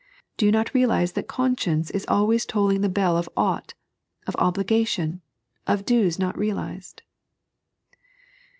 Do you not reeJize that conscience is always tolling the bell of ought, of obligation, of dues not realized